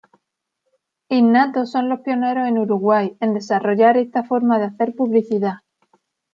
Innato son los pioneros en Uruguay en desarrollar esta forma de hacer publicidad.